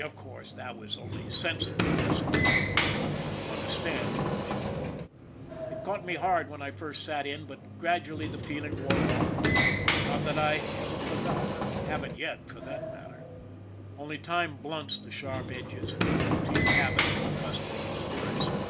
Of course, that was only sen sitiveness, but you understand, don't you? It caught me hard when I first " sat in," but gradually the feel ing wore off; not that I ever forgot, I haven't yet for that matter, only time blunts the sharp edges, and routine, habit, and custom do the rest.